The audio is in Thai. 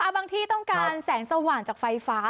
บางที่ต้องการแสงสว่างจากไฟฟ้า